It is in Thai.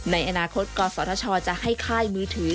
ในอนาคตกศชจะให้ค่ายมือถือ